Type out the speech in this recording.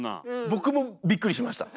僕もびっくりしました。